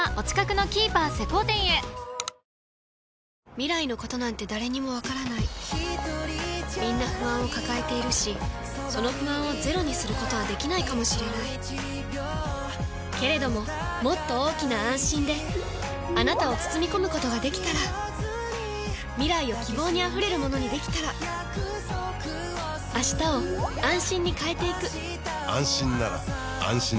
未来のことなんて誰にもわからないみんな不安を抱えているしその不安をゼロにすることはできないかもしれないけれどももっと大きな「あんしん」であなたを包み込むことができたら未来を希望にあふれるものにできたら変わりつづける世界に、「あんしん」を。